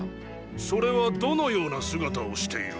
それはどのような姿をしている？